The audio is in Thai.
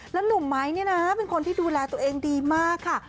หนุ่มไม้เนี่ยนะเป็นคนที่ดูแลตัวเองดีมากค่ะ